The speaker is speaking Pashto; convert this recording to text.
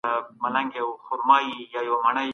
د بروکسل په ناسته کي د افغانستان ملاتړ وسو.